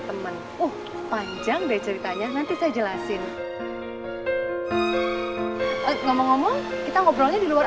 temen uh panjang deh ceritanya nanti saya jelasin ngomong ngomong kita ngobrolnya di luar